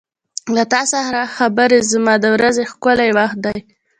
• له تا سره خبرې زما د ورځې ښکلی وخت دی.